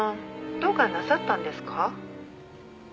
どうかなさったんですか？」